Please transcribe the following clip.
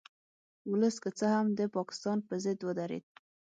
ولس که څه هم د پاکستان په ضد ودرید